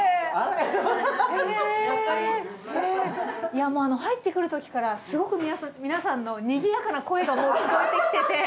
いやもう入ってくる時からすごく皆さんのにぎやかな声がもう聞こえてきてて。